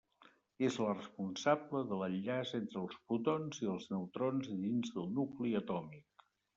És la responsable de l'enllaç entre els protons i els neutrons dins del nucli atòmic.